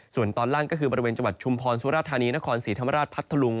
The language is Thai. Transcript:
ส่วนตอนล่างก็คือบริเวณจังหวัดชุมพรสุรธานีนครศรีธรรมราชพัทธลุง